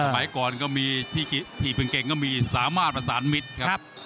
ไปก่อนก็มีที่พึ่งเก่งก็มีสามารถประสานมิตรครับ